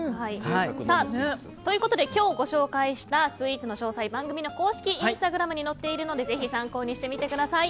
今日ご紹介したスイーツの詳細は番組の公式インスタグラムに載っているのでぜひ参考にしてみてください。